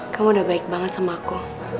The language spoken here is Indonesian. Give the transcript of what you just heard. kamu udah baik banget sama aku